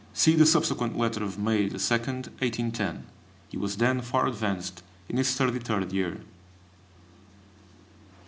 See the subsequent letter of May 2, 1810. He was then far advanced in his thirty third year.